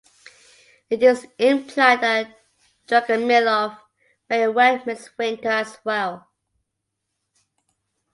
It is implied that Dragomiloff may wed Miss Winter as well.